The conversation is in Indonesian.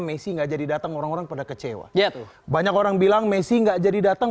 messi nggak jadi datang orang orang pada kecewa ya banyak orang bilang messi nggak jadi datang